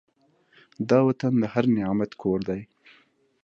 دا وطن د هر نعمت کور دی.